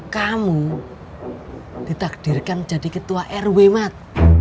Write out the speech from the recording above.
kamu ditakdirkan menjadi ketua rw mat